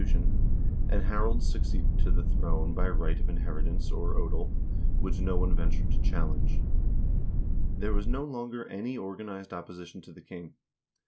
THE REIGN OF HARALD HAARDRAADE 281 by right of inheritance, or odel, which no one ventured to challenge. There was no longer any organized opposition to the king.